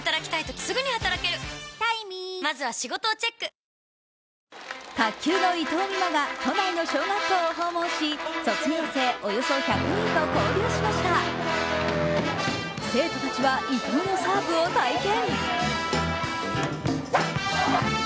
東京海上日動卓球の伊藤美誠が都内の小学校を訪問し卒業生およそ１００人と交流しました生徒たちは伊藤のサーブを体験。